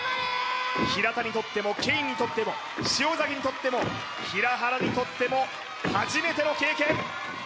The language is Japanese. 平田にとってもケインにとっても塩にとっても平原にとっても初めての経験